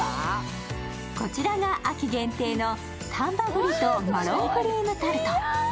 こちらが秋限定の丹波栗とマロンクリームタルト。